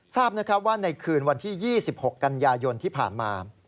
ทราบว่าในคืนวันที่๒๖กันยายนที่ผ่านมา